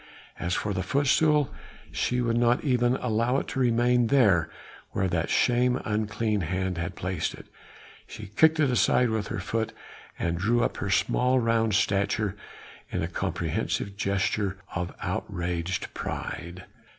As for the footstool, she would not even allow it to remain there where that same unclean hand had placed it; she kicked it aside with her foot and drew up her small, round stature in a comprehensive gesture of outraged pride.